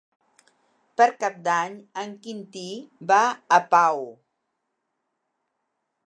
Per Cap d'Any en Quintí va a Pau.